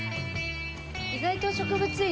意外と植物園